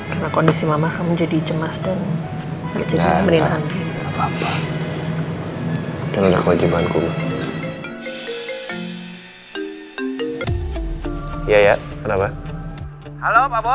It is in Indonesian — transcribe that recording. karena kondisi mama akan menjadi cemasan ya pak